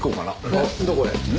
えっどこへ？